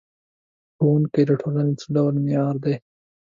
ښوونکی د ټولنې څه ډول معمار دی؟